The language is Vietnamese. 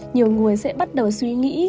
nhiều người sẽ bắt đầu suy nghĩ